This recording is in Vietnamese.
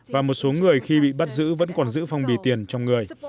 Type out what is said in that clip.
và một số người khi bị bắt giữ vẫn còn giữ phòng bì tiền trong người